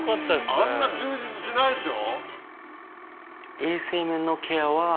あんな充実しないでしょ？